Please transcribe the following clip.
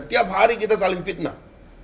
tiap hari kita saling fitnah